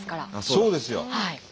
そうですよ。